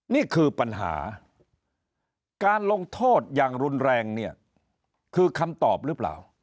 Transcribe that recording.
นี่คือปัญหาการลงโทษอย่างรุนแรงเนี่ยคือคำตอบหรือเปล่า